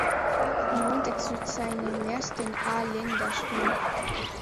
Minute zu seinem ersten A-Länderspiel.